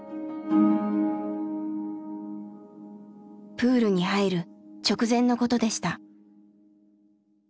プールに入る直前のことでした。